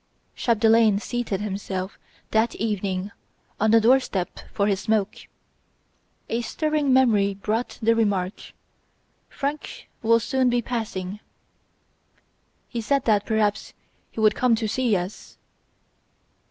Chapdelaine seated himself that evening on the door step for his smoke; a stirring of memory brought the remark "François will soon be passing. He said that perhaps he would come to see us."